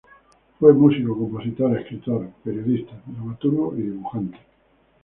Fue músico, compositor, escritor, periodista, dramaturgo y dibujante.